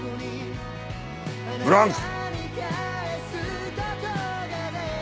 ブランク！